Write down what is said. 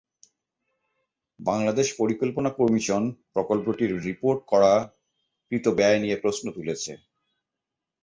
বাংলাদেশ পরিকল্পনা কমিশন প্রকল্পটির রিপোর্ট করা কৃত ব্যয় নিয়ে প্রশ্ন তুলেছে।